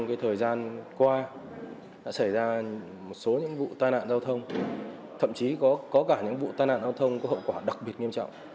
trong thời gian qua đã xảy ra một số những vụ tai nạn giao thông thậm chí có cả những vụ tai nạn giao thông có hậu quả đặc biệt nghiêm trọng